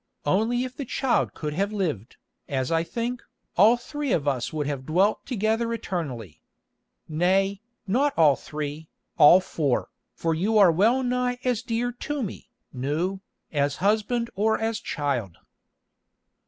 Only if the child could have lived, as I think, all three of us would have dwelt together eternally. Nay, not all three, all four, for you are well nigh as dear to me, Nou, as husband or as child."